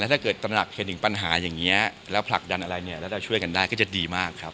ถ้าเกิดตำหนักเห็นถึงปัญหาอย่างนี้แล้วผลักดันอะไรเนี่ยแล้วเราช่วยกันได้ก็จะดีมากครับ